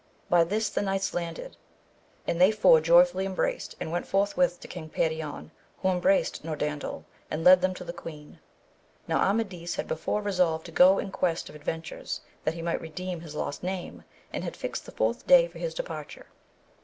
By this the knights landed, and they four joyfully embraced, and went forthwith to King Perion, who embraced Norandel and led them to the queen. Now Amadis had before resolved to go in quest of ad ventures that he might redeem his lost name, and had fixed the fourth day for his departure.